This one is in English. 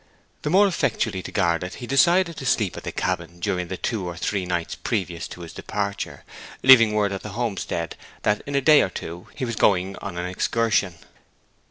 The more effectually to guard it he decided to sleep at the cabin during the two or three nights previous to his departure, leaving word at the homestead that in a day or two he was going on an excursion.